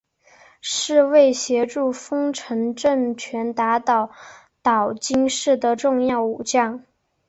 是为协助丰臣政权打倒岛津氏的重要武将。